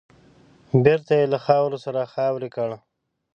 بېرته يې له خاورو سره خاورې کړ .